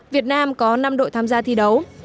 việt nam có năm đội tham gia thi đấu